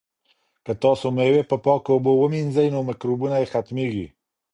که تاسي مېوې په پاکو اوبو ومینځئ نو مکروبونه یې ختمیږي.